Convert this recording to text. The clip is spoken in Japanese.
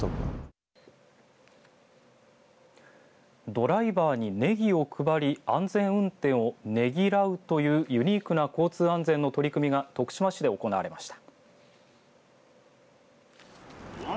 ドライバーにネギを配り安全運転をネギらうというユニークな交通安全の取り組みが徳島市で行われました。